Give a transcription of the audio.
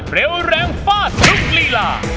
เร็วแรงฟาดทุกลีลา